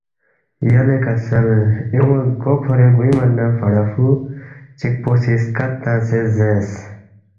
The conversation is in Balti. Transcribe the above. یلے کسل ایونگ زگو کھورے گوے من نہ فڑا فرُو چِکپو سی سکت تنگسے زیرس،